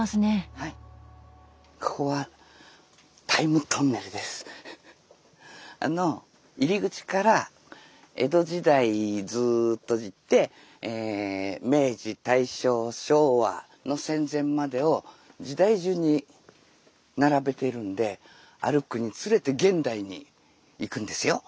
ここはあの入り口から江戸時代ずっと行って明治・大正・昭和の戦前までを時代順に並べているんで歩くにつれて現代に行くんですよ。